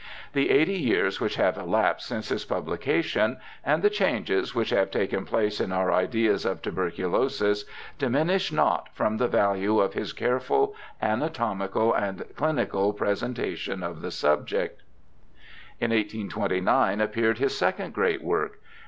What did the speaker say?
The eighty years which have elapsed since its publication, and the changes which have taken place in our ideas of tuberculosis, diminish naught from the value of his careful anatomical and clinical presen tation of the subject. In 1829 appeared his second great work.